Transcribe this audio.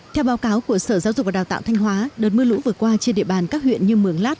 theo báo cáo của sở giáo dục và đào tạo thanh hóa đợt mưa lũ vừa qua trên địa bàn các huyện như mường lát